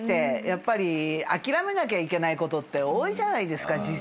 やっぱり諦めなきゃいけないことって多いじゃないですか実際ね。